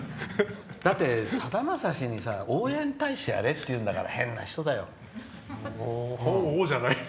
だって、さだまさしに応援大使やれっていうんだから変な人だよ。